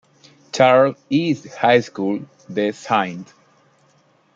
Charles East High School de St.